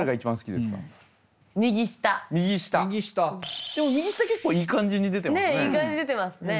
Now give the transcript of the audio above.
でも右下結構いい感じに出てますね。